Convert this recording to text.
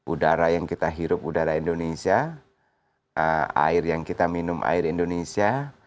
udara yang kita hirup udara indonesia air yang kita minum air indonesia